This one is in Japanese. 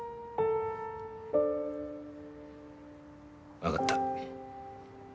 わかった。